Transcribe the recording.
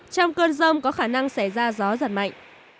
trong cơn rông có khả năng xảy ra gió giật mạnh